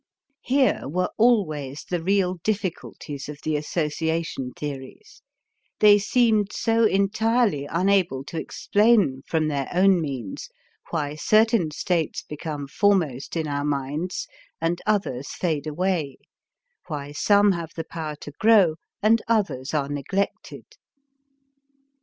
Here were always the real difficulties of the association theories; they seemed so entirely unable to explain from their own means why certain states become foremost in our minds and others fade away, why some have the power to grow and others are neglected.